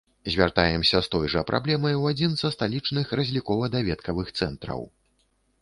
Звяртаемся з той жа праблемай у адзін са сталічных разлікова-даведкавых цэнтраў.